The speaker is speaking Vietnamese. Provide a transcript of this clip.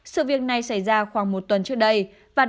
sự việc này xảy ra khoảng một tuần trước đây và